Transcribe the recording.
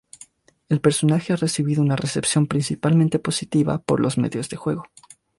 El personaje ha recibido una recepción principalmente positiva por los medios de juego.